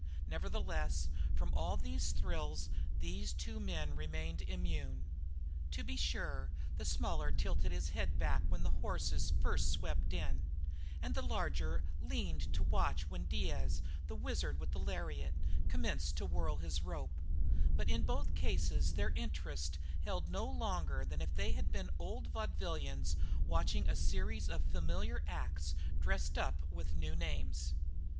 Nevertheless from all these thrills these two men remained immune. To be sure the smaller tilted his head back when the horses first swept in, and the larger leaned to watch when Diaz, the wizard with the lariat, commenced to whirl his rope; but in both cases their interest held no longer than if they had been old vaudevillians watching a series of familiar acts dressed up with new names.